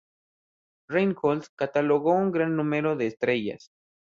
Reinhold catalogó un gran número de estrellas.